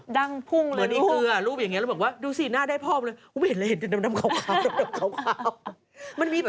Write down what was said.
ดังพุ่งเลยลูกเหมือนอีเกลือรูปอย่างนี้แล้วแบบว่าดูสิหน้าได้พ่อมันเลย